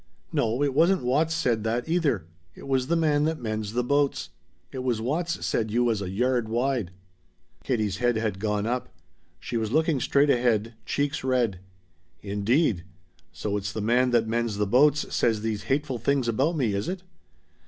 No, it wasn't Watts said that, either. It was the man that mends the boats. It was Watts said you was a yard wide." Katie's head had gone up; she was looking straight ahead, cheeks red. "Indeed! So it's the man that mends the boats says these hateful things about me, is it?"